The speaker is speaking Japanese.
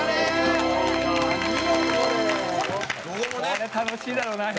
これ楽しいだろうな編集。